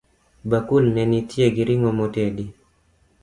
Bakul ni nitie gi ring'o motedi